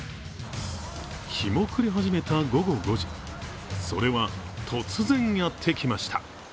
日も暮れ始めた午後５時、それは突然やってきました。